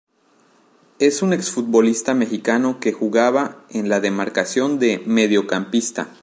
Es un ex-futbolista mexicano que jugaba en la demarcación de Mediocampista.